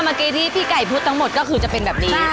เมื่อกี้ที่พี่ไก่พูดทั้งหมดก็คือจะเป็นแบบนี้